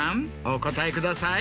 お答えください。